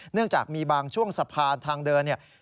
เนื่องจากมีบางช่วงสะพานทางเดินเนี่ย